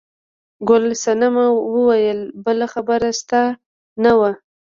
ګل صنمه وویل بله خبره شته نه وه.